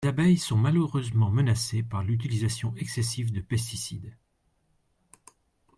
Les abeilles sont malheureusement menacées par l’utilisation excessive de pesticides.